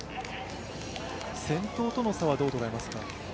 先頭との差はどう捉えますか？